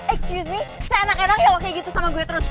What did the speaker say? excuse me seenak enak ya lo kayak gitu sama gue terus